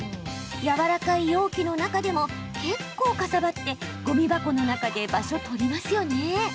やわらかい容器の中でも結構かさばってごみ箱の中で場所取りますよね？